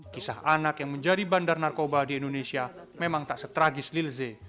kisah anak yang menjadi bandar narkoba di indonesia memang tak stragis lilze